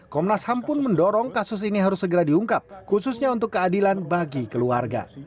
komnas ham pun mendorong kasus ini harus segera diungkap khususnya untuk keadilan bagi keluarga